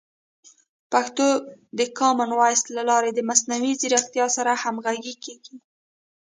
پښتو د کامن وایس له لارې د مصنوعي ځیرکتیا سره همغږي کیږي.